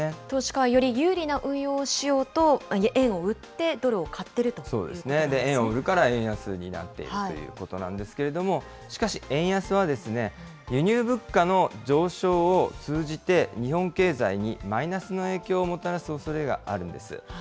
投資家はより有利な運用をしようと、円を売ってドルを買ってそうですね、円を売るから、円安になっているということなんですけれども、しかし、円安は輸入物価の上昇を通じて、日本経済にマイナスの影響をもたらすおそれがあるんです。